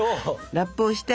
ラップをして。